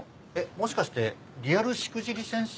もしかしてリアルしくじり先生とか？